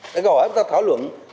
đấy là hỏi chúng ta thảo luận